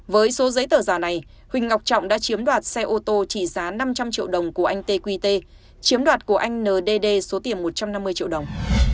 với số giấy tờ giả này huỳnh ngọc trọng đã chiếm đoạt xe ô tô trị giá năm trăm linh triệu đồng của anh tqt chiếm đoạt của anh ndd số tiền một trăm năm mươi triệu đồng